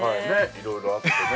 ◆いろいろあってね。